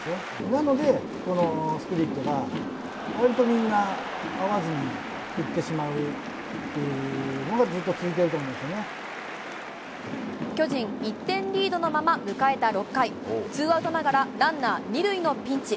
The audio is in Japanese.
なので、このスプリットが、わりとみんな合わずに振ってしまうっていうのが、ずっと続いてる巨人１点リードのまま迎えた６回、ツーアウトながらランナー２塁のピンチ。